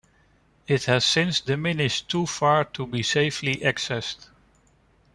It has since diminished too far to be safely accessed.